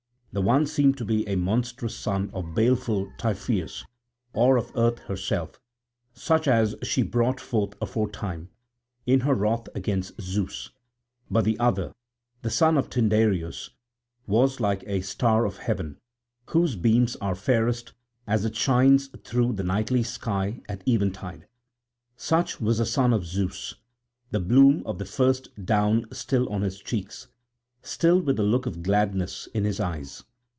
The one seemed to be a monstrous son of baleful Typhoeus or of Earth herself, such as she brought forth aforetime, in her wrath against Zeus; but the other, the son of Tyndareus, was like a star of heaven, whose beams are fairest as it shines through the nightly sky at eventide. Such was the son of Zeus, the bloom of the first down still on his cheeks, still with the look of gladness in his eyes.